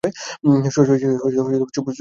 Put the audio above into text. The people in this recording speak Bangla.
শচীশ চুপ করিয়া দাঁড়াইয়া রহিল।